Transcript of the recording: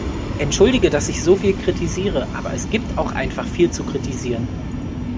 Entschuldige, dass ich so viel kritisiere, aber es gibt auch einfach viel zu kritisieren.